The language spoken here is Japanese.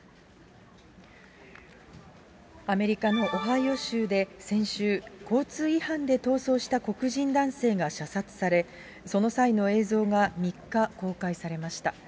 アメリカのオハイオ州で先週、交通違反で逃走した黒人男性が射殺され、その際の映像が３日、公開されました。